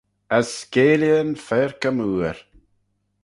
As skeaylley'n faarkey mooar!